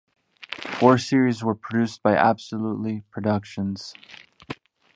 Four series were produced by Absolutely Productions.